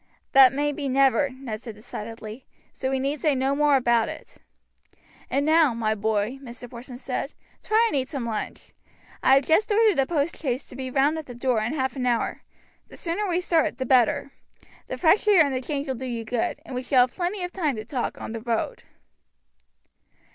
"That may be never," Ned said decidedly, "so we need say no more about it." "And now, my boy," Mr. Porson said, "try and eat some lunch. I have just ordered a post chaise to be round at the door in half an hour. The sooner we start the better. The fresh air and the change will do you good, and we shall have plenty of time to talk on the road."